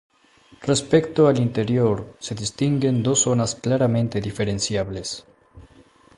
Respecto al interior se distinguen dos zonas claramente diferenciables.